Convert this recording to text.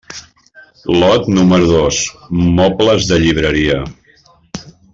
Lot número dos: mobles de llibreria.